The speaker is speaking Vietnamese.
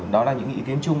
đó là những ý kiến chung